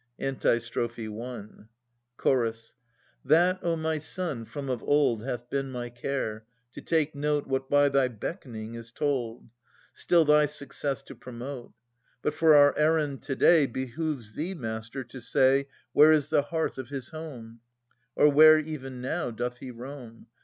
Antistrophe I. Ch. That, O my son, from of old Hath been my care, to take note What by thy beck'ning is told ; Still thy success to promote. But for our errand to day Behoves thee, master, to say Where is the hearth of his home ; Or where even now doth he roam